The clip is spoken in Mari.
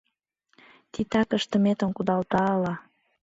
Титак ыштыметым кудалта ала...